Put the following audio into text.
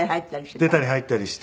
出たり入ったりして。